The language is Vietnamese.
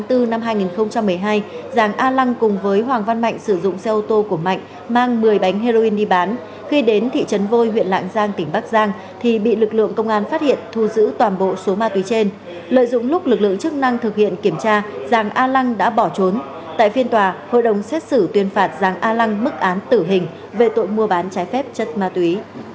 từ năm hai nghìn một mươi hai giàng a lăng cùng với hoàng văn mạnh sử dụng xe ô tô của mạnh mang một mươi bánh heroin đi bán khi đến thị trấn vôi huyện lạng giang tỉnh bắc giang thì bị lực lượng công an phát hiện thu giữ toàn bộ số ma túy trên lợi dụng lúc lực lượng chức năng thực hiện kiểm tra giàng a lăng đã bỏ trốn tại phiên tòa hội đồng xét xử tuyên phạt giàng a lăng mức án tử hình về tội mua bán trái phép chất ma túy